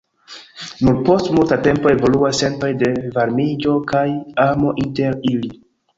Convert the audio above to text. Nur post multa tempo evoluas sentoj de varmiĝo kaj amo inter ili.